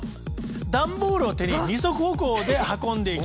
段ボールを手に二足歩行で運んでいきます。